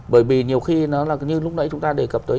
bởi vì nhiều khi nó là như lúc đấy chúng ta đề cập tới